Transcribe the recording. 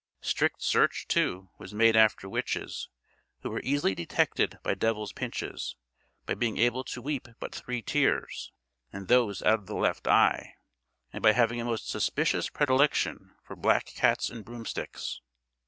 " Strict search, too, was made after witches, who were easily detected by devil's pinches; by being able to weep but three tears, and those out of the left eye; and by having a most suspicious predilection for black cats and broomsticks!